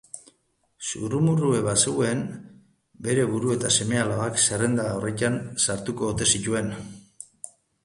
Zurrumurrua bazegoen bere burua eta seme-alabak zerrenda horretan sartuko ote zituen.